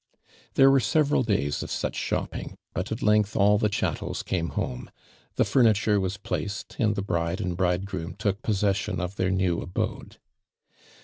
There were several ilays of such shopping, but at length nil tiio ihatteb* came home; the furniture wuh placeil and tiie bi'ido and bridegroom took possession of their now abode.